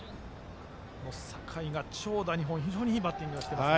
酒井が長打２本と非常にいいバッティングしてます。